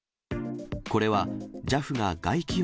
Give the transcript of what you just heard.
これは、ＪＡＦが外気温